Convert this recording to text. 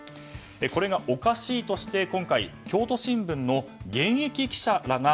これがおかしいとして今回、京都新聞の現役記者らが